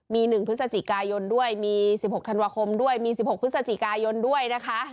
มี๑พฤศจิกายนด้วยมี๑๖ธันวาคมด้วยมี๑๖พฤศจิกายนด้วยนะคะ